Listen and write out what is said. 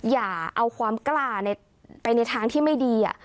อย่าเอาความกล้าไปในทางที่ไม่ดี